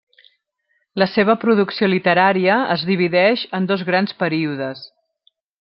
La seva producció literària es divideix en dos grans períodes.